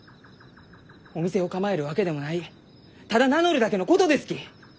お店を構えるわけでもないただ名乗るだけのことですき！